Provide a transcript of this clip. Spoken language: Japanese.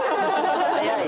早い！